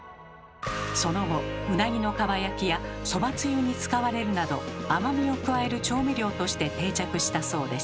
その後うなぎのかば焼きやそばつゆに使われるなど甘みを加える調味料として定着したそうです。